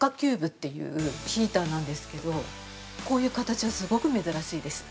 ＣＵＢＥっていうヒーターなんですけど、こういう形はすごく珍しいです。